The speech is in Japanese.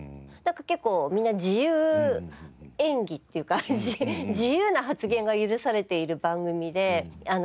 なんか結構みんな自由演技っていう感じ自由な発言が許されている番組で。